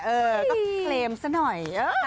ก็เคลมซะหน่อย